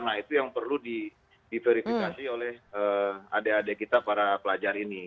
nah itu yang perlu diverifikasi oleh adik adik kita para pelajar ini